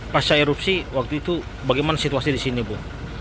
pas saya erupsi waktu itu bagaimana situasi disini bu